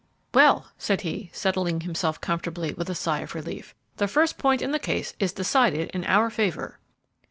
"Well," said he, settling himself comfortably, with a sigh of relief, "the first point in the case is decided in our favor."